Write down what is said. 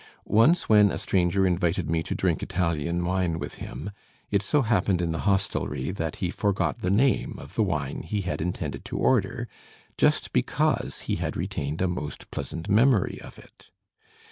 Once when a stranger invited me to drink Italian wine with him, it so happened in the hostelry that he forgot the name of the wine he had intended to order just because he had retained a most pleasant memory of it.